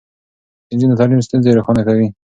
د نجونو تعليم ستونزې روښانه کوي.